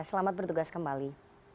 selamat bertugas kembali